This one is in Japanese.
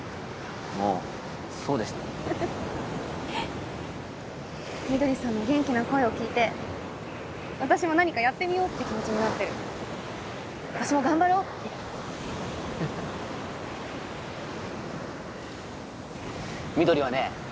もうそうでしたみどりさんの元気な声を聞いて私も何かやってみようって気持ちになってる私も頑張ろうってみどりはね